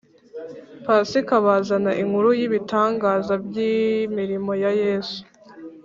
Pasika bazana inkuru y’ibitangaza by’imirimo ya Yesu